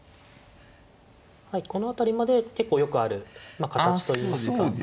この辺りまで結構よくある形といいますか。